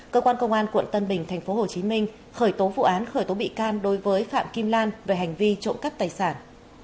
cơ quan công an quận tân bình tp hcm khởi tố vụ án khởi tố bị can đối với phạm kim lan về hành vi trộm cắp tài sản